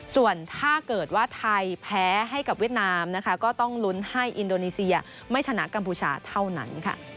ส่วนถ้าเกิดว่าไทยแพ้ให้กับเวียดนามนะคะก็ต้องลุ้นให้อินโดนีเซียไม่ชนะกัมพูชาเท่านั้น